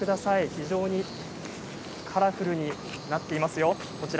非常にカラフルなっていますよ。